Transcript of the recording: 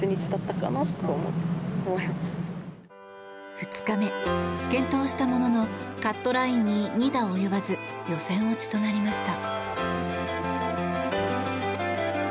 ２日目、健闘したもののカットラインに２打及ばず予選落ちとなりました。